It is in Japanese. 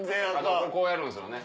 こうやるんですよね？